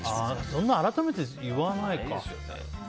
そんな、改めて言わないか。